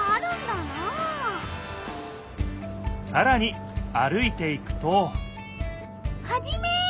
さらに歩いていくとハジメ！